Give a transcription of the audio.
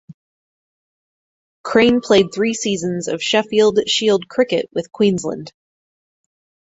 Crane played three seasons of Sheffield Shield cricket with Queensland.